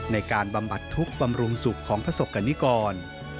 ในการบำบัดทุกข์บำรุงสุขของพระศกรณิกร